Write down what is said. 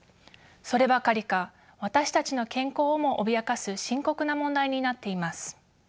そればかりか私たちの健康をも脅かす深刻な問題になっています。